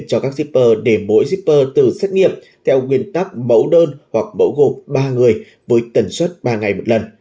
cho các shipper để mỗi shipper từ xét nghiệm theo nguyên tắc mẫu đơn hoặc mẫu gộp ba người với tần suất ba ngày một lần